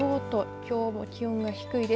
きょうも気温が低いです。